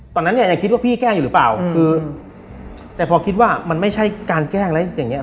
ตอนนั้นเนี่ยยังคิดว่าพี่แกล้งอยู่หรือเปล่าคือแต่พอคิดว่ามันไม่ใช่การแกล้งแล้วอย่างเงี้